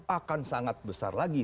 akan sangat besar lagi